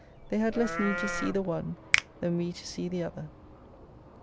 They had less need to see the one, than we to see the other.